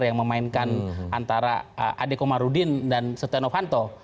yang memainkan antara adekomarudin dan sutanufanto